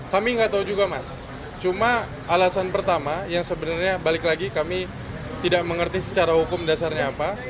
kami nggak tahu juga mas cuma alasan pertama yang sebenarnya balik lagi kami tidak mengerti secara hukum dasarnya apa